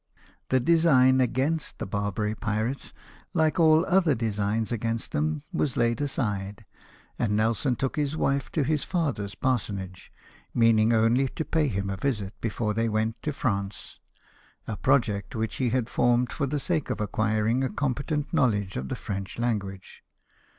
The design against the Barbary pirates, like all othier designs against them, was laid aside ; and Nelson took his wife to his father's parsonage, meaning only to pay him a visit before they went to France — a project which he had formed for the sake of acquiring a competent knowledge of the French language.